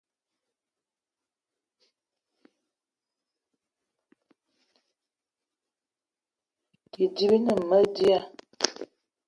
Bidi bi ne dia a makit